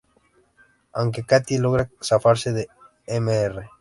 Aunque Katie logra zafarse de Mr.